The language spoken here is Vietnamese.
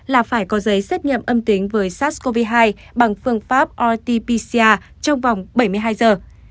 là phải có giấy xét nghiệm âm tính với sars cov hai bằng phương pháp rt pcr trong vòng bảy mươi hai giờ